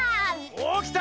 おっきた！